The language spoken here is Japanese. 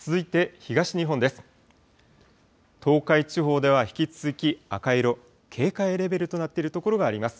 東海地方では引き続き赤色、警戒レベルとなっている所があります。